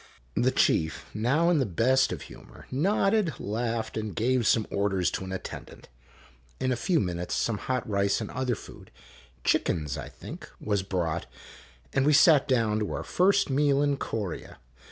The chief, now in the best of humor, nodded, laughed, and gave some orders to an attendant. In a few minutes some hot rice and other food (chickens, I think) w r as brought, and we sat down to our first meal in Corea.